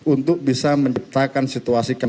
untuk bisa menciptakan kegiatan kegiatan yang berlebihan